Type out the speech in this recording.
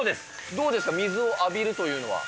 どうですか、水を浴びるというのは？